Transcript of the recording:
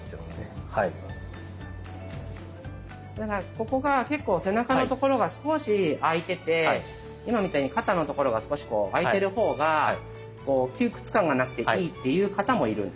ここが結構背中のところが少し空いてて今みたいに肩のところが少し空いてるほうが窮屈感がなくていいっていう方もいるんです。